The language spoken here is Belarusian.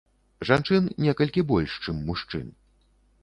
Жанчын некалькі больш чым мужчын.